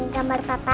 ini gambar papa